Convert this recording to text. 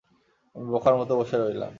আমি বোকার মতো বসে রইলাম।